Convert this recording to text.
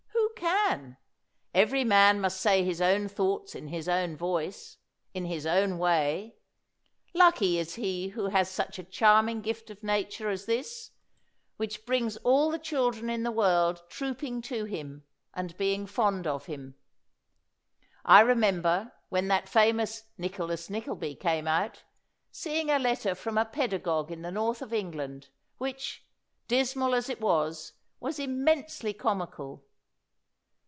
Who can? Every man must say his own thoughts in his own voice, in his own way; lucky is he who has such a charming gift of nature as this, which brings 213 THE WORLD'S FAMOUS ORATIONS all the children in the world trooping to him, and being fond of him. I remember, when that famous Nicholas Nickleby" came out, seeing a letter from a pedagog in the north of England, which, dis mal as it was, was immensely comical.